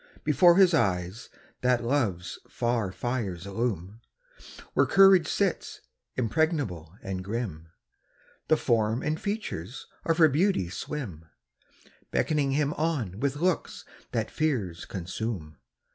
Before his eyes that love's far fires illume Where courage sits, impregnable and grim The form and features of her beauty swim, Beckoning him on with looks that fears consume.